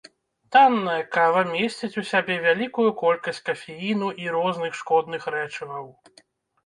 Танная кава месціць у сябе вялікую колькасць кафеіну і розных шкодных рэчываў.